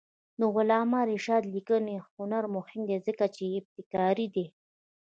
د علامه رشاد لیکنی هنر مهم دی ځکه چې ابتکاري دی.